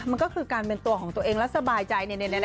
มันก็คือการเป็นตัวของตัวเองและสบายใจ